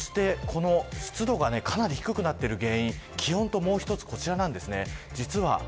そして、この湿度がかなり低くなっている原因気温ともう一つこちらなんですね。